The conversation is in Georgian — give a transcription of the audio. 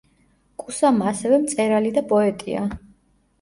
კუსამა ასევე მწერალი და პოეტია.